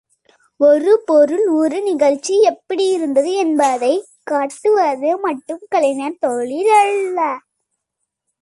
ஒரு பொருள், ஒரு நிகழ்ச்சி எப்படி இருந்தது என்பதைக் காட்டுவது மட்டும் கலைஞன் தொழில் அல்ல.